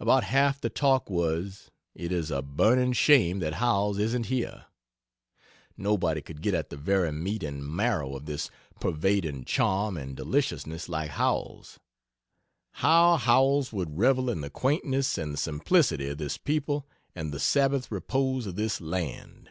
About half the talk was "It is a burning shame that Howells isn't here." "Nobody could get at the very meat and marrow of this pervading charm and deliciousness like Howells;" "How Howells would revel in the quaintness, and the simplicity of this people and the Sabbath repose of this land."